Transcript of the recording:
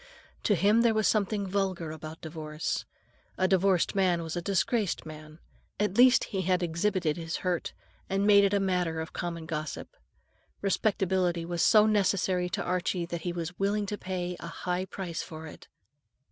To him there was something vulgar about divorce. A divorced man was a disgraced man; at least, he had exhibited his hurt, and made it a matter for common gossip. Respectability was so necessary to Archie that he was willing to pay a high price for it.